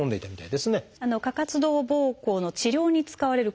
過活動ぼうこうの治療に使われる薬